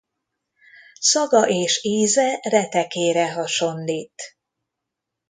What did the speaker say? Szaga és íze retekére hasonlít.